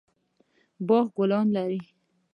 باغ ګلان لري